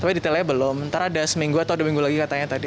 tapi detailnya belum ntar ada seminggu atau dua minggu lagi katanya tadi